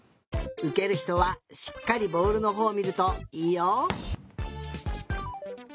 うけるひとはしっかりボールのほうをみるといいよ。